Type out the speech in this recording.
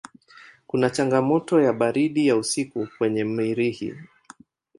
Kuna changamoto ya baridi ya usiku kwenye Mirihi.